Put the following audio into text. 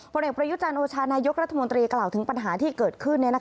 คนแห่งประยุจาณโอชาณายกรัฐมนตรีกล่าวถึงปัญหาที่เกิดขึ้น